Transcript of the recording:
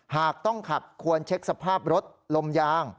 หากต้องขับควรเช็คสภาพรถลมยาง